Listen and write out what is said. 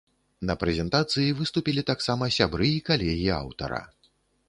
На прэзентацыі выступілі таксама сябры і калегі аўтара.